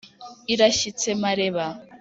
irashyitse mareba.